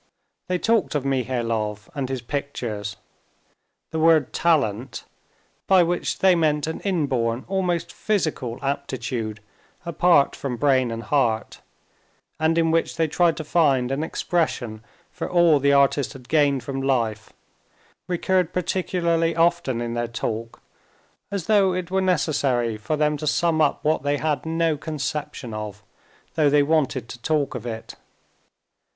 They talked of Mihailov and his pictures. The word talent, by which they meant an inborn, almost physical, aptitude apart from brain and heart, and in which they tried to find an expression for all the artist had gained from life, recurred particularly often in their talk, as though it were necessary for them to sum up what they had no conception of, though they wanted to talk of it.